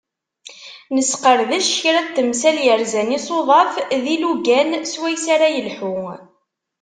Nesqerdec kra n temsal yerzan isuḍaf d yilugan i swayes ara yelḥu.